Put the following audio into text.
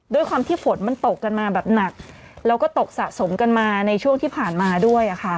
ด้วยความที่ฝนมันตกกันมาแบบหนักแล้วก็ตกสะสมกันมาในช่วงที่ผ่านมาด้วยค่ะ